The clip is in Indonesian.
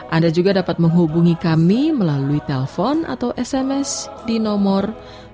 anda juga dapat menghubungi kami melalui telpon atau sms di nomor delapan ratus dua puluh satu seribu enam puluh satu seribu lima ratus sembilan puluh lima